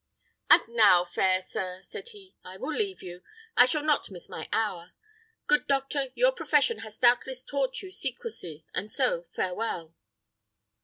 "And now, fair sir," said he, "I will leave you. I shall not miss my hour. Good doctor, your profession has doubtless taught you secrecy, and so farewell!"